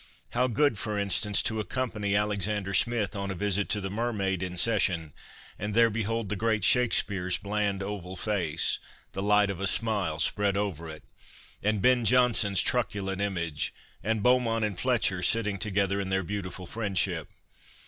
How good, for instance, to accompany Alexander Smith on a visit to the ' Mermaid ' in session, and there behold the great ' Shakespeare's bland oval face, the light of a smile spread over it, and Ben Jonson's trucu lent image, and Beaumont and Fletcher sitting together in their beautiful friendship